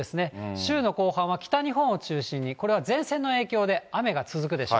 週の後半は北日本を中心にこれは前線の影響で雨が続くでしょう。